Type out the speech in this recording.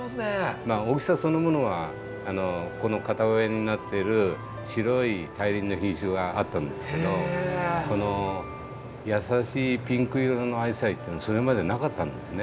まあ大きさそのものはこの片親になってる白い大輪の品種があったんですけどこの優しいピンク色のアジサイっていうのはそれまでなかったんですね。